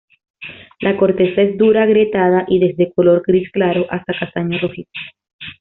La corteza es dura, agrietada y desde color gris claro hasta castaño rojizo.